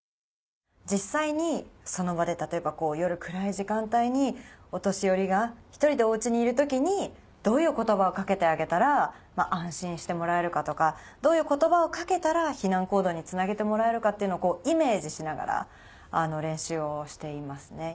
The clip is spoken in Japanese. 実際にその場で例えば夜暗い時間帯にお年寄りが１人でお家にいる時にどういう言葉を掛けてあげたら安心してもらえるかとかどういう言葉を掛けたら避難行動につなげてもらえるかっていうのをイメージしながら練習をしていますね。